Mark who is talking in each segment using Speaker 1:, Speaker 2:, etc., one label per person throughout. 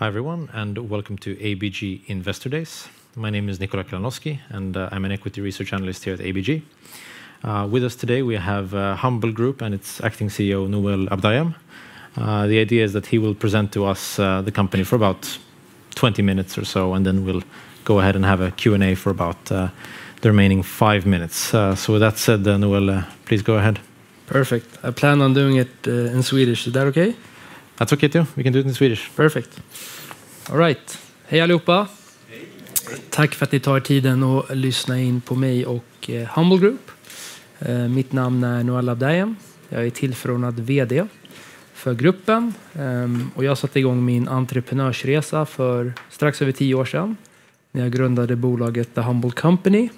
Speaker 1: Hi everyone, and welcome to ABG Investor Days. My name is Nikola Kranovski, and I'm an equity research analyst here at ABG. With us today, we have Humble Group and its Acting CEO, Noel Abdayam. The idea is that he will present to us the company for about 20 minutes or so, and then we'll go ahead and have a Q&A for about the remaining five minutes. So with that said, Noel, please go ahead.
Speaker 2: Perfect. I plan on doing it in Swedish. Is that okay?
Speaker 1: That's okay too. We can do it in Swedish.
Speaker 2: Perfect. All right. Hej allihopa.
Speaker 3: Hej.
Speaker 2: Tack för att ni tar tiden och lyssnar in på mig och Humble Group. Mitt namn är Noel Abdayam. Jag är tillförordnad vd för gruppen, och jag satte igång min entreprenörsresa för strax över tio år sedan när jag grundade bolaget The Humble Company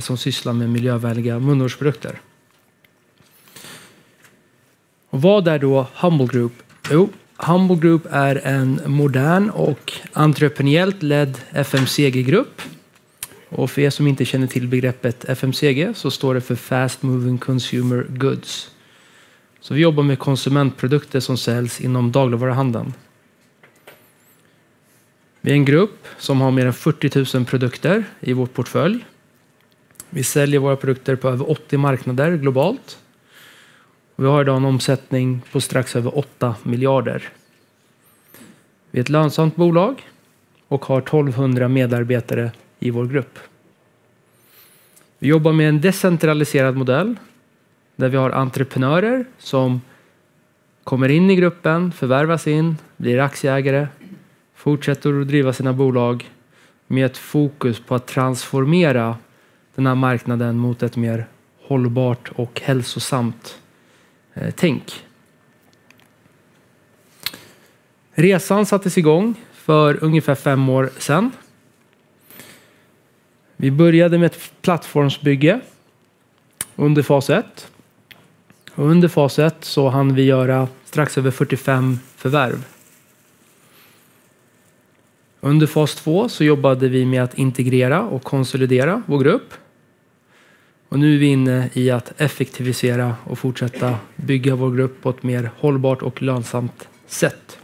Speaker 2: som sysslar med miljövänliga munvårdsprodukter. Vad är då Humble Group? Jo, Humble Group är en modern och entreprenöriellt ledd FMCG-grupp. Och för som inte känner till begreppet FMCG så står det för Fast Moving Consumer Goods. Så vi jobbar med konsumentprodukter som säljs inom dagligvaruhandeln. Vi är en grupp som har mer än 40,000 produkter i vår portfölj. Vi säljer våra produkter på över 80 marknader globalt. Vi har idag en omsättning på strax över 8 miljarder. Vi är ett lönsamt bolag och har 1,200 medarbetare i vår grupp. Vi jobbar med en decentraliserad modell där vi har entreprenörer som kommer in i gruppen, förvärvas in, blir aktieägare, fortsätter att driva sina bolag med ett fokus på att transformera den här marknaden mot ett mer hållbart och hälsosamt tänk. Resan sattes igång för ungefär fem år sedan. Vi började med ett plattformsbygge under fas ett. Under fas ett så hann vi göra strax över 45 förvärv. Under fas två så jobbade vi med att integrera och konsolidera vår grupp. Och nu är vi inne i att effektivisera och fortsätta bygga vår grupp på ett mer hållbart och lönsamt sätt.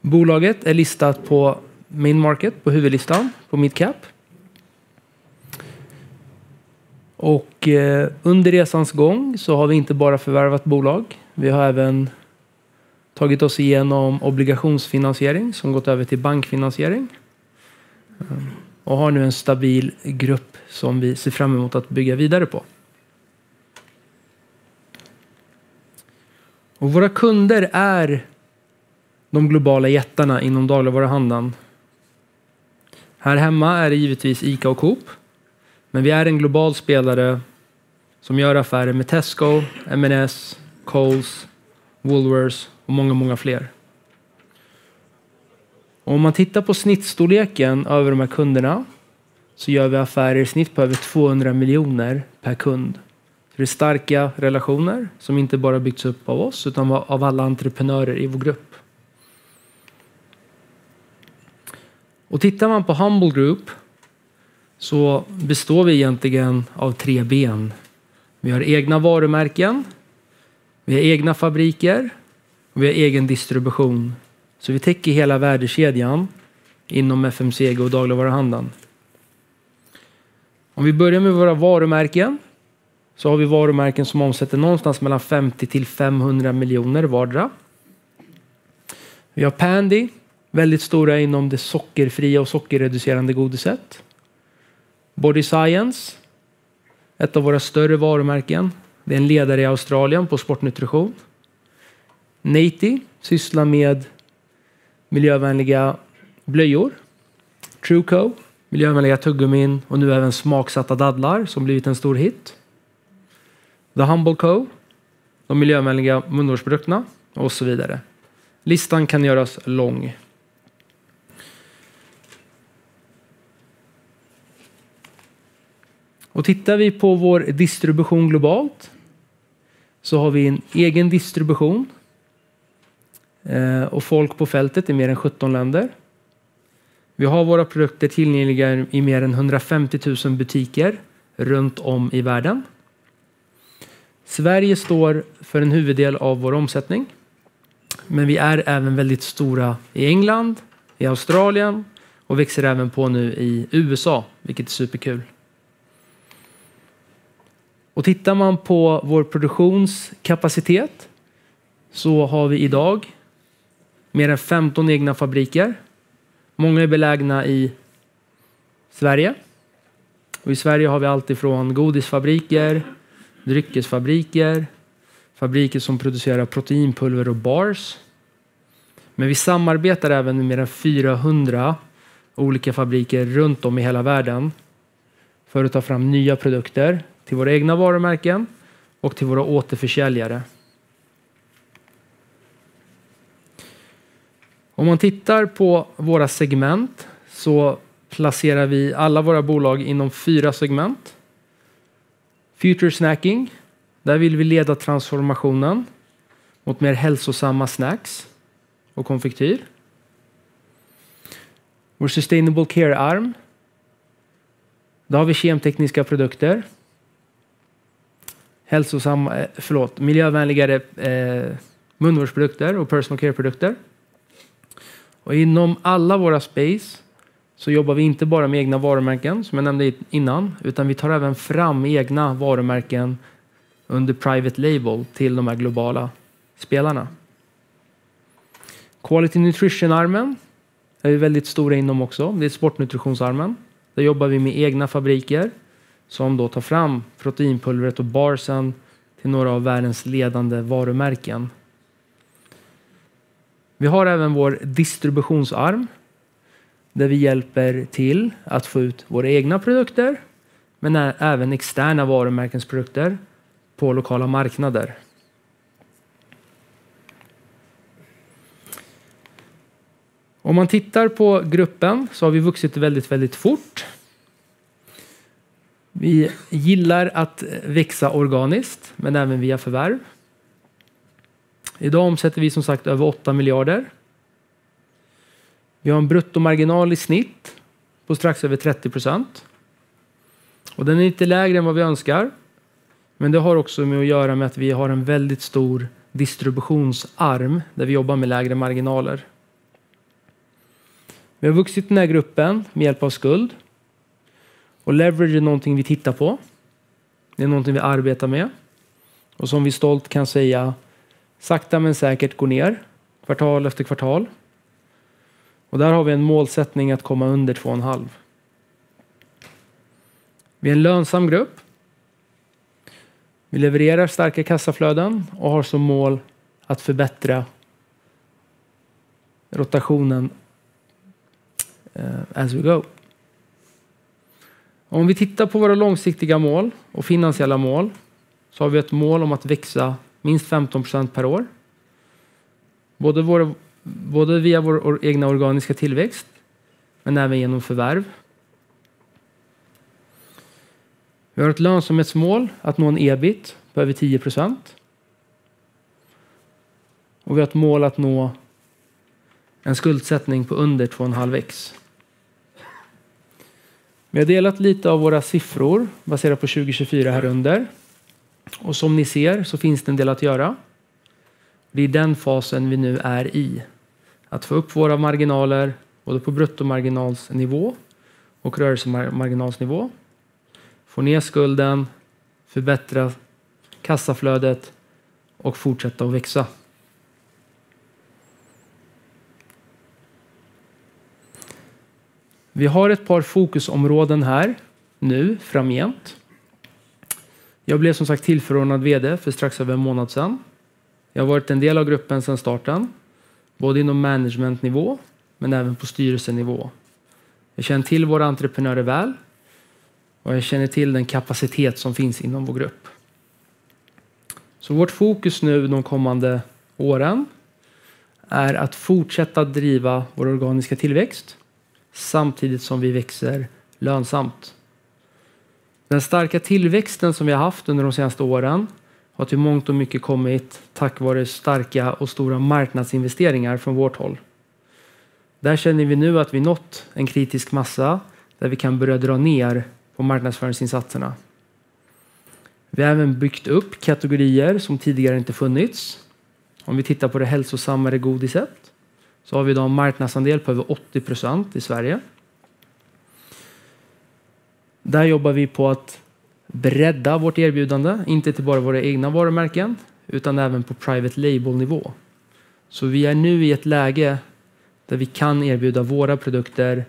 Speaker 2: Bolaget är listat på Main Market, på huvudlistan, på Mid Cap. Och under resans gång så har vi inte bara förvärvat bolag. Vi har även tagit oss igenom obligationsfinansiering som gått över till bankfinansiering. Och har nu en stabil grupp som vi ser fram emot att bygga vidare på. Och våra kunder är de globala jättarna inom dagligvaruhandeln. Här hemma är det givetvis ICA och Coop. Men vi är en global spelare som gör affärer med Tesco, M&S, Coles, Woolworths och många, många fler. Om man tittar på snittstorleken över de här kunderna så gör vi affärer i snitt på över 200 miljoner SEK per kund. Så det är starka relationer som inte bara byggts upp av oss utan av alla entreprenörer i vår grupp. Och tittar man på Humble Group så består vi egentligen av tre ben. Vi har egna varumärken, vi har egna fabriker och vi har egen distribution. Så vi täcker hela värdekedjan inom FMCG och dagligvaruhandeln. Om vi börjar med våra varumärken så har vi varumärken som omsätter någonstans mellan 50-500 miljoner SEK vardera. Vi har Pandy, väldigt stora inom det sockerfria och sockerreducerande godiset. Body Science, ett av våra större varumärken, det är en ledare i Australien på sportnutrition. Naty sysslar med miljövänliga blöjor. True Co, miljövänliga tuggummin och nu även smaksatta dadlar som blivit en stor hit. The Humble Co, de miljövänliga munvårdsprodukterna och så vidare. Listan kan göras lång. Tittar vi på vår distribution globalt så har vi en egen distribution. Och folk på fältet i mer än 17 länder. Vi har våra produkter tillgängliga i mer än 150,000 butiker runt om i världen. Sverige står för en huvuddel av vår omsättning. Men vi är även väldigt stora i England, i Australien och växer även på nu i USA, vilket är superkul. Tittar man på vår produktionskapacitet så har vi idag mer än 15 egna fabriker. Många är belägna i Sverige. Och i Sverige har vi alltifrån godisfabriker, dryckesfabriker, fabriker som producerar proteinpulver och bars. Men vi samarbetar även med mer än 400 olika fabriker runt om i hela världen för att ta fram nya produkter till våra egna varumärken och till våra återförsäljare. Om man tittar på våra segment så placerar vi alla våra bolag inom fyra segment. Future Snacking, där vill vi leda transformationen mot mer hälsosamma snacks och konfektyr. Vår Sustainable Care Arm, där har vi kemtekniska produkter, hälsosamma, förlåt, miljövänligare munvårdsprodukter och personal care-produkter. Och inom alla våra space så jobbar vi inte bara med egna varumärken, som jag nämnde innan, utan vi tar även fram egna varumärken under private label till de här globala spelarna. Quality Nutrition Armen, där är vi väldigt stora inom också, det är sportnutritionsarmen. Där jobbar vi med egna fabriker som då tar fram proteinpulvret och barsen till några av världens ledande varumärken. Vi har även vår distributionsarm där vi hjälper till att få ut våra egna produkter, men även externa varumärkens produkter på lokala marknader. Om man tittar på gruppen så har vi vuxit väldigt, väldigt fort. Vi gillar att växa organiskt, men även via förvärv. Idag omsätter vi som sagt över 8 miljarder. Vi har en bruttomarginal i snitt på strax över 30%. Och den är inte lägre än vad vi önskar, men det har också med att göra med att vi har en väldigt stor distributionsarm där vi jobbar med lägre marginaler. Vi har vuxit i den här gruppen med hjälp av skuld. Och leverage är någonting vi tittar på. Det är någonting vi arbetar med. Och som vi stolt kan säga, sakta men säkert går ner, kvartal efter kvartal. Och där har vi en målsättning att komma under 2.5. Vi är en lönsam grupp. Vi levererar starka kassaflöden och har som mål att förbättra rotationen as we go. Om vi tittar på våra långsiktiga mål och finansiella mål så har vi ett mål om att växa minst 15% per år. Både via vår egna organiska tillväxt, men även genom förvärv. Vi har ett lönsamhetsmål att nå en EBIT på över 10%. Och vi har ett mål att nå en skuldsättning på under 2.5x. Vi har delat lite av våra siffror baserat på 2024 här under. Och som ni ser så finns det en del att göra. Det är den fasen vi nu är i. Att få upp våra marginaler både på bruttomarginalsnivå och rörelsemarginalsnivå. Få ner skulden, förbättra kassaflödet och fortsätta att växa. Vi har ett par fokusområden här nu framgent. Jag blev som sagt tillförordnad vd för strax över en månad sedan. Jag har varit en del av gruppen sedan starten, både inom managementnivå men även på styrelsenivå. Jag känner till våra entreprenörer väl. Och jag känner till den kapacitet som finns inom vår grupp. Så vårt fokus nu de kommande åren är att fortsätta driva vår organiska tillväxt samtidigt som vi växer lönsamt. Den starka tillväxten som vi har haft under de senaste åren har till mångt och mycket kommit tack vare starka och stora marknadsinvesteringar från vårt håll. Där känner vi nu att vi nått en kritisk massa där vi kan börja dra ner på marknadsföringsinsatserna. Vi har även byggt upp kategorier som tidigare inte funnits. Om vi tittar på det hälsosammare godiset så har vi idag en marknadsandel på över 80% i Sverige. Där jobbar vi på att bredda vårt erbjudande, inte till bara våra egna varumärken utan även på private label-nivå. Så vi är nu i ett läge där vi kan erbjuda våra produkter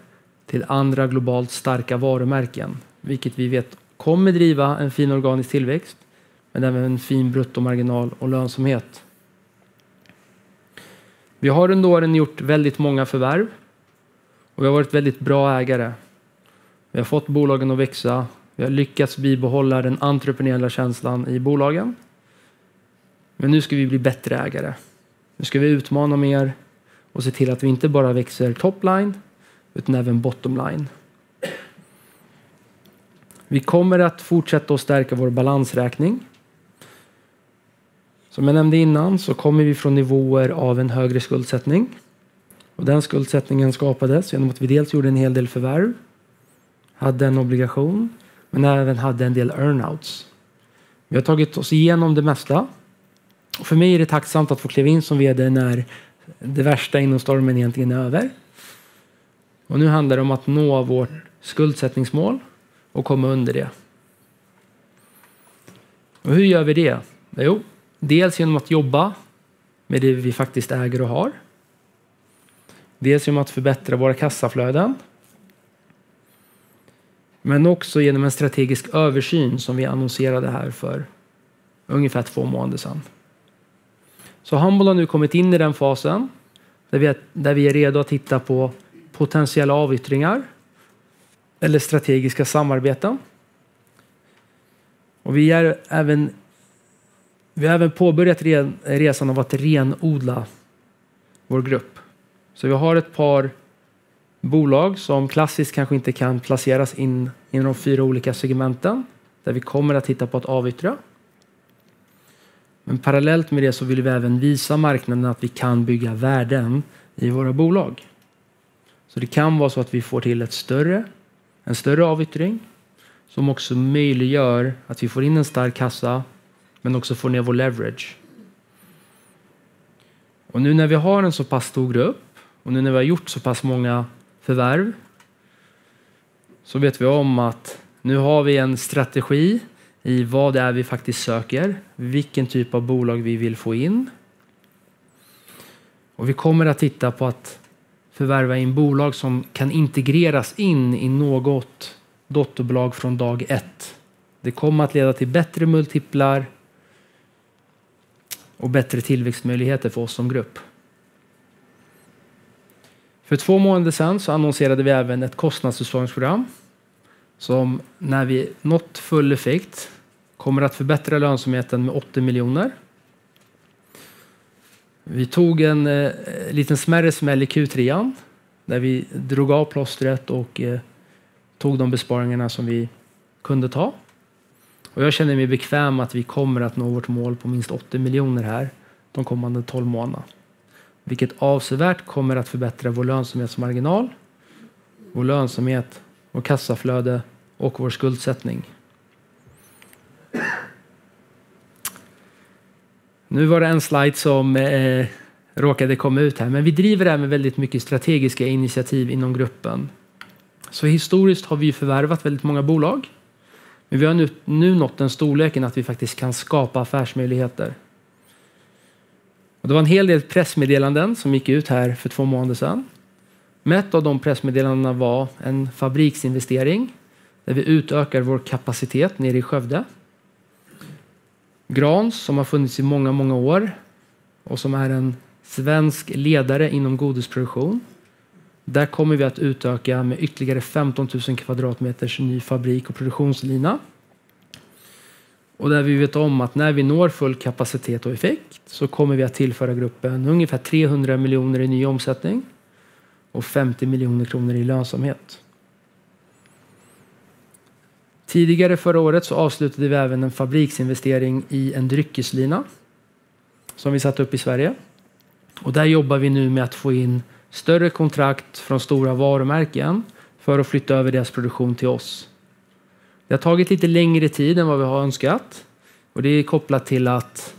Speaker 2: till andra globalt starka varumärken, vilket vi vet kommer driva en fin organisk tillväxt, men även en fin bruttomarginal och lönsamhet. Vi har under åren gjort väldigt många förvärv. Och vi har varit väldigt bra ägare. Vi har fått bolagen att växa. Vi har lyckats bibehålla den entreprenöriella känslan i bolagen. Men nu ska vi bli bättre ägare. Nu ska vi utmana mer och se till att vi inte bara växer topline utan även bottomline. Vi kommer att fortsätta att stärka vår balansräkning. Som jag nämnde innan så kommer vi från nivåer av en högre skuldsättning. Och den skuldsättningen skapades genom att vi dels gjorde en hel del förvärv, hade en obligation, men även hade en del earnouts. Vi har tagit oss igenom det mesta. Och för mig är det tacksamt att få kliva in som vd när det värsta inom stormen egentligen är över. Och nu handlar det om att nå vårt skuldsättningsmål och komma under det. Och hur gör vi det? Jo, dels genom att jobba med det vi faktiskt äger och har. Dels genom att förbättra våra kassaflöden. Men också genom en strategisk översyn som vi annonserade här för ungefär två månader sedan. Så Humble har nu kommit in i den fasen där vi är redo att titta på potentiella avyttringar eller strategiska samarbeten. Och vi har även påbörjat resan av att renodla vår grupp. Så vi har ett par bolag som klassiskt kanske inte kan placeras in inom de fyra olika segmenten där vi kommer att titta på att avyttra. Men parallellt med det så vill vi även visa marknaden att vi kan bygga värden i våra bolag. Så det kan vara så att vi får till ett större avyttring som också möjliggör att vi får in en stark kassa, men också får ner vår leverage. Och nu när vi har en så pass stor grupp och nu när vi har gjort så pass många förvärv, så vet vi om att nu har vi en strategi i vad det är vi faktiskt söker, vilken typ av bolag vi vill få in. Och vi kommer att titta på att förvärva bolag som kan integreras i något dotterbolag från dag ett. Det kommer att leda till bättre multiplar och bättre tillväxtmöjligheter för oss som grupp. För två månader sedan så annonserade vi även ett kostnadsutjämningsprogram som när vi nått full effekt kommer att förbättra lönsamheten med 80 miljoner. Vi tog en liten smärre smäll i Q3 där vi drog av plåstret och tog de besparingarna som vi kunde ta. Och jag känner mig bekväm att vi kommer att nå vårt mål på minst 80 miljoner SEK här de kommande tolv månaderna. Vilket avsevärt kommer att förbättra vår lönsamhetsmarginal, vår lönsamhet, vår kassaflöde och vår skuldsättning. Nu var det en slide som råkade komma ut här, men vi driver även väldigt mycket strategiska initiativ inom gruppen. Så historiskt har vi ju förvärvat väldigt många bolag, men vi har nu nått den storleken att vi faktiskt kan skapa affärsmöjligheter. Det var en hel del pressmeddelanden som gick ut här för två månader sedan. Ett av de pressmeddelandena var en fabriksinvestering där vi utökar vår kapacitet nere i Skövde. Gran som har funnits i många, många år och som är en svensk ledare inom godisproduktion. Där kommer vi att utöka med ytterligare 15 000 kvadratmeter ny fabrik och produktionslina. Och där vi vet att när vi når full kapacitet och effekt så kommer vi att tillföra gruppen ungefär 300 miljoner i ny omsättning och 50 miljoner kronor i lönsamhet. Tidigare förra året så avslutade vi även en fabriksinvestering i en dryckeslina som vi satte upp i Sverige. Och där jobbar vi nu med att få in större kontrakt från stora varumärken för att flytta över deras produktion till oss. Det har tagit lite längre tid än vad vi har önskat, och det är kopplat till att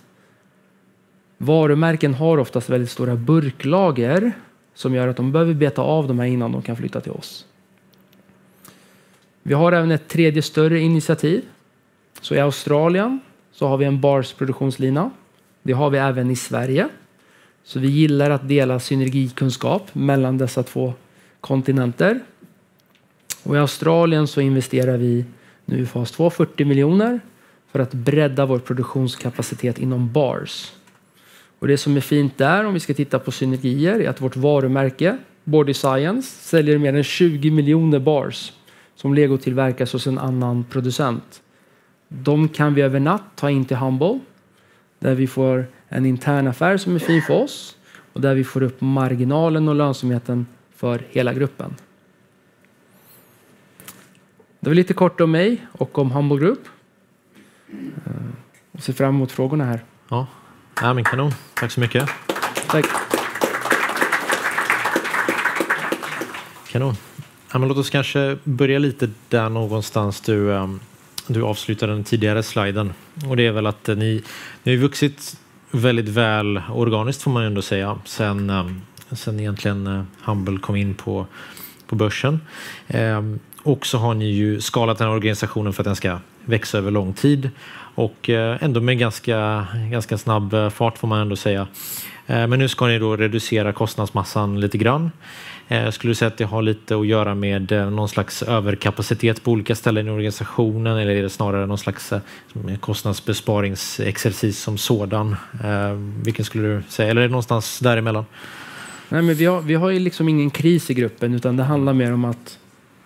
Speaker 2: varumärken har oftast väldigt stora burklager som gör att de behöver beta av de här innan de kan flytta till oss. Vi har även ett tredje större initiativ. Så i Australien så har vi en bars produktionslina. Det har vi även i Sverige. Så vi gillar att dela synergikunskap mellan dessa två kontinenter. Och i Australien så investerar vi nu i fas 2, 40 million för att bredda vår produktionskapacitet inom bars. Och det som är fint där, om vi ska titta på synergier, är att vårt varumärke, Body Science, säljer mer än 20 million bars som legotillverkas hos en annan producent. De kan vi övernatt ta in till Humble, där vi får en intern affär som är fin för oss och där vi får upp marginalen och lönsamheten för hela gruppen. Det var lite kort om mig och om Humble Group. Jag ser fram emot frågorna här. Ja, nej men kanon, tack så mycket. Tack. Kanon. Ja, men låt oss kanske börja lite där någonstans du avslutade den tidigare sliden. Och det är väl att ni har vuxit väldigt väl organiskt, får man ändå säga, sen egentligen Humble kom in på börsen. Också har ni skalat den här organisationen för att den ska växa över lång tid och ändå med en ganska snabb fart, får man ändå säga. Men nu ska ni reducera kostnadsmassan lite grann. Skulle du säga att det har lite att göra med någon slags överkapacitet på olika ställen i organisationen eller är det snarare någon slags kostnadsbesparingsexercis som sådan? Vilken skulle du säga? Eller är det någonstans däremellan? Nej, men vi har ju liksom ingen kris i gruppen utan det handlar mer om att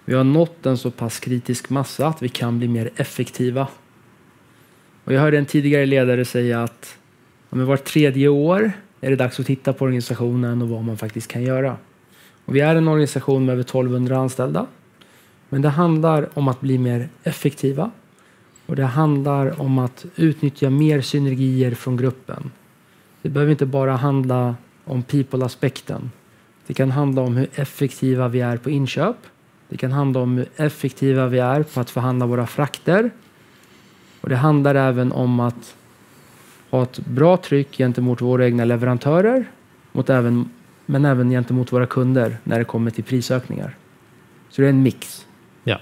Speaker 2: vi har nått en så pass kritisk massa att vi kan bli mer effektiva. Och jag hörde en tidigare ledare säga att ja, men vart tredje år är det dags att titta på organisationen och vad man faktiskt kan göra. Och vi är en organisation med över 1 200 anställda, men det handlar om att bli mer effektiva och det handlar om att utnyttja mer synergier från gruppen. Det behöver inte bara handla om people-aspekten. Det kan handla om hur effektiva vi är på inköp. Det kan handla om hur effektiva vi är på att förhandla våra frakter. Och det handlar även om att ha ett bra tryck gentemot våra egna leverantörer, men även gentemot våra kunder när det kommer till prisökningar. Så det är en mix. Ja,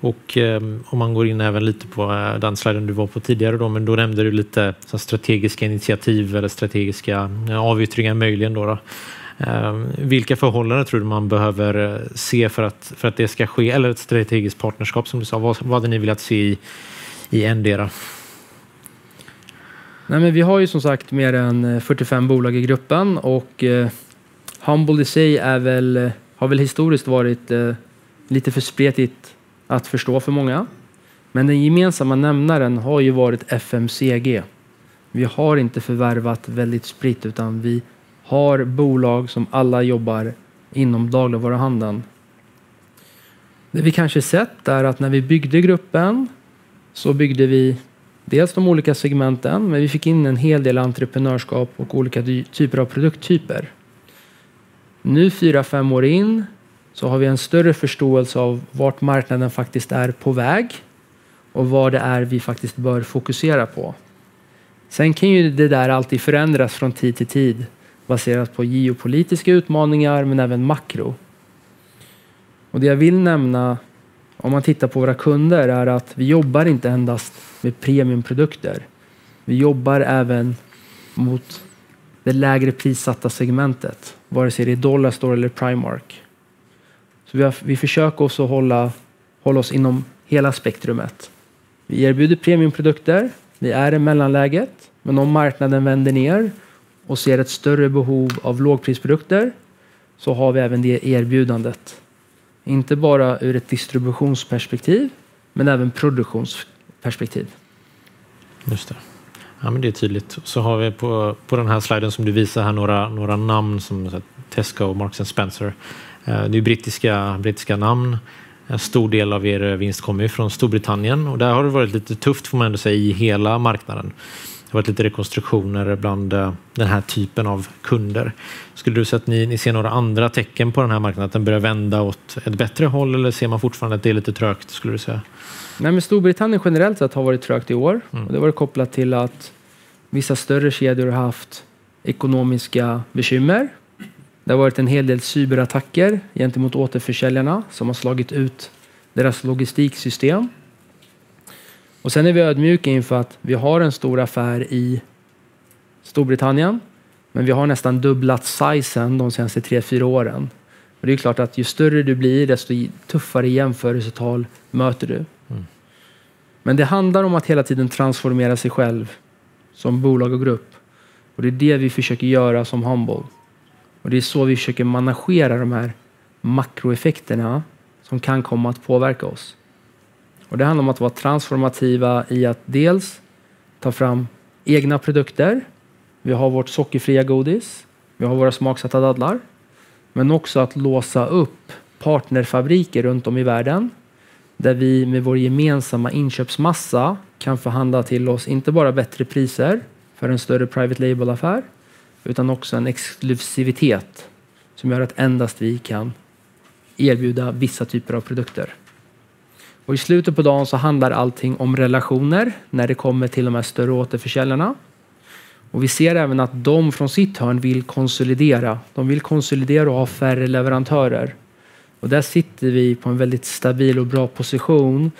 Speaker 2: och om man går in även lite på den sliden du var på tidigare då, men då nämnde du lite strategiska initiativ eller strategiska avyttringar möjligen då. Vilka förhållanden tror du man behöver se för att det ska ske? Eller ett strategiskt partnerskap som du sa? Vad hade ni velat se i en del? Nej, men vi har ju som sagt mer än 45 bolag i gruppen och Humble i sig är väl historiskt varit lite för spretigt att förstå för många. Men den gemensamma nämnaren har ju varit FMCG. Vi har inte förvärvat väldigt spritt utan vi har bolag som alla jobbar inom dagligvaruhandeln. Det vi kanske sett är att när vi byggde gruppen så byggde vi dels de olika segmenten, men vi fick in en hel del entreprenörskap och olika typer av produkttyper. Nu, fyra-fem år in, så har vi en större förståelse av vart marknaden faktiskt är på väg och vad det är vi faktiskt bör fokusera på. Sen kan ju det där alltid förändras från tid till tid baserat på geopolitiska utmaningar, men även makro. Och det jag vill nämna, om man tittar på våra kunder, är att vi jobbar inte endast med premiumprodukter. Vi jobbar även mot det lägre prissatta segmentet, vare sig det är Dollarstore eller Primark. Så vi försöker oss att hålla oss inom hela spektrumet. Vi erbjuder premiumprodukter, vi är i mellanläget, men om marknaden vänder ner och ser ett större behov av lågprisprodukter så har vi även det erbjudandet. Inte bara ur ett distributionsperspektiv, men även produktionsperspektiv. Just det. Ja, men det är tydligt. Så har vi på den här sliden som du visar här några namn som Tesco och Marks and Spencer. Det är ju brittiska namn. En stor del av vinst kommer ju från Storbritannien och där har det varit lite tufft, får man ändå säga, i hela marknaden. Det har varit lite rekonstruktioner bland den här typen av kunder. Skulle du säga att ni ser några andra tecken på den här marknaden att den börjar vända åt ett bättre håll eller ser man fortfarande att det är lite trögt, skulle du säga? Nej, men Storbritannien generellt sett har varit trögt i år. Det har varit kopplat till att vissa större kedjor har haft ekonomiska bekymmer. Det har varit en hel del cyberattacker gentemot återförsäljarna som har slagit ut deras logistiksystem. Och sen är vi ödmjuka inför att vi har en stor affär i Storbritannien, men vi har nästan dubblat storleken under de senaste tre, fyra åren. Och det är ju klart att ju större du blir, desto tuffare jämförelsetal möter du. Men det handlar om att hela tiden transformera sig själv som bolag och grupp. Och det är det vi försöker göra som Humble Group. Och det är så vi försöker managera de här makroeffekterna som kan komma att påverka oss. Och det handlar om att vara transformativa i att dels ta fram egna produkter. Vi har vårt sockerfria godis. Vi har våra smaksatta dadlar. Men också att låsa upp partnerfabriker runt om i världen, där vi med vår gemensamma inköpsmassa kan förhandla till oss inte bara bättre priser för en större private label-affär, utan också en exklusivitet som gör att endast vi kan erbjuda vissa typer av produkter. Och i slutet på dagen så handlar allting om relationer när det kommer till de här större återförsäljarna. Och vi ser även att de från sitt hörn vill konsolidera. De vill konsolidera och ha färre leverantörer. Och där sitter vi på en väldigt stabil och bra position,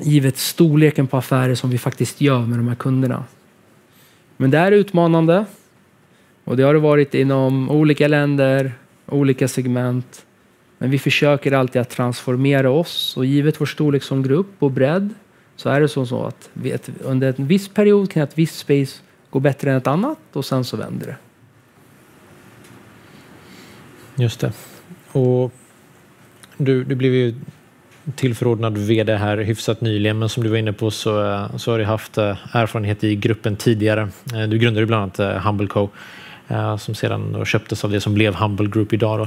Speaker 2: givet storleken på affärer som vi faktiskt gör med de här kunderna. Men det är utmanande. Och det har det varit inom olika länder, olika segment. Men vi försöker alltid att transformera oss. Och givet vår storlek som grupp och bredd så är det som så att vi under en viss period kan ett visst space gå bättre än ett annat, och sen så vänder det. Just det. Och du blev ju tillförordnad vd här hyfsat nyligen, men som du var inne på så har du haft erfarenhet i gruppen tidigare. Du grundade ju bland annat Humble Co, som sedan då köptes av det som blev Humble Group idag.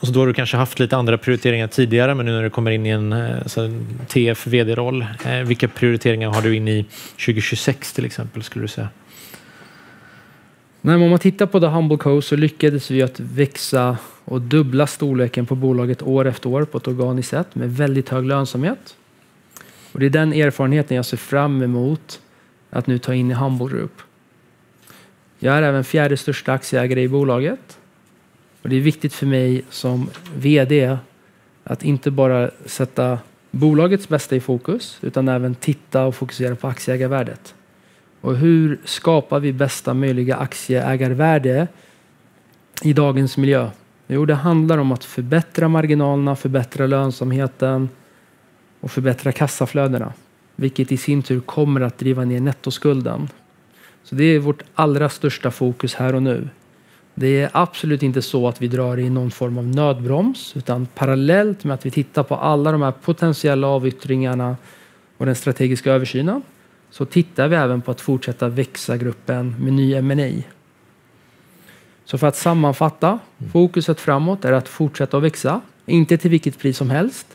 Speaker 2: Och så då har du kanske haft lite andra prioriteringar tidigare, men nu när du kommer in i en så här TF-vd-roll, vilka prioriteringar har du in i 2026 till exempel, skulle du säga? Nej, men om man tittar på det Humble Co så lyckades vi ju att växa och dubbla storleken på bolaget år efter år på ett organiskt sätt med väldigt hög lönsamhet. Och det är den erfarenheten jag ser fram emot att nu ta in i Humble Group. Jag är även fjärde största aktieägare i bolaget. Och det är viktigt för mig som vd att inte bara sätta bolagets bästa i fokus, utan även titta och fokusera på aktieägarvärdet. Och hur skapar vi bästa möjliga aktieägarvärde i dagens miljö? Jo, det handlar om att förbättra marginalerna, förbättra lönsamheten och förbättra kassaflödena, vilket i sin tur kommer att driva ner nettoskulden. Så det är vårt allra största fokus här och nu. Det är absolut inte så att vi drar i någon form av nödbroms, utan parallellt med att vi tittar på alla de här potentiella avyttringarna och den strategiska översynen, så tittar vi även på att fortsätta växa gruppen med ny M&A. Så för att sammanfatta, fokuset framåt är att fortsätta att växa, inte till vilket pris som helst,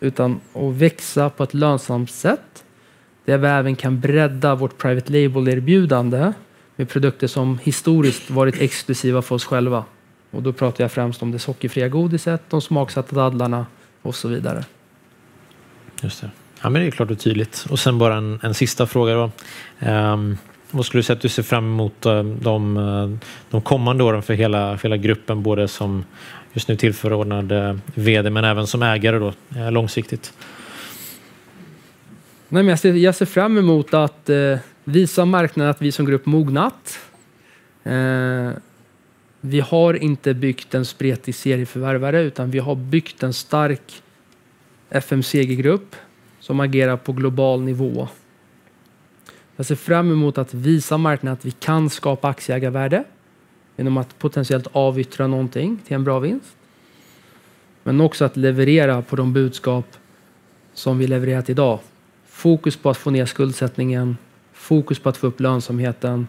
Speaker 2: utan att växa på ett lönsamt sätt, där vi även kan bredda vårt private label-erbjudande med produkter som historiskt varit exklusiva för oss själva. Och då pratar jag främst om det sockerfria godiset, de smaksatta dadlarna och så vidare. Just det. Ja, men det är klart och tydligt. Och sen bara en sista fråga då. Vad skulle du säga att du ser fram emot de kommande åren för hela gruppen, både som just nu tillförordnad vd, men även som ägare då långsiktigt? Nej, men jag ser fram emot att visa marknaden att vi som grupp mognat. Vi har inte byggt en spretig serieförvärvare, utan vi har byggt en stark FMCG-grupp som agerar på global nivå. Jag ser fram emot att visa marknaden att vi kan skapa aktieägarvärde genom att potentiellt avyttra någonting till en bra vinst, men också att leverera på de budskap som vi levererat idag. Fokus på att få ner skuldsättningen, fokus på att få upp lönsamheten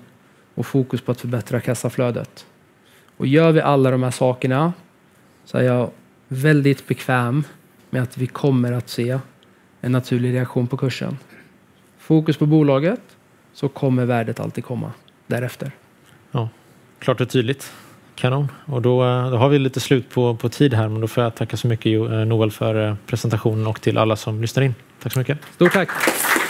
Speaker 2: och fokus på att förbättra kassaflödet. Och gör vi alla de här sakerna, så är jag väldigt bekväm med att vi kommer att se en naturlig reaktion på kursen. Fokus på bolaget, så kommer värdet alltid komma därefter. Ja, klart och tydligt. Kanon. Och då har vi lite slut på tid här, men då får jag tacka så mycket, Joel, för presentationen och till alla som lyssnar in. Tack så mycket. Stort tack.